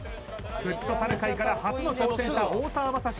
フットサル界から初の挑戦者大澤雅士